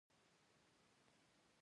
آیا ایراني توکي ښه دي؟